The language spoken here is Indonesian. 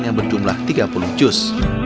yang berjumlah tiga puluh jus